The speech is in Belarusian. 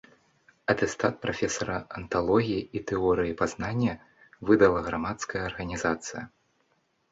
Атэстат прафесара анталогіі і тэорыі пазнання выдала грамадская арганізацыя.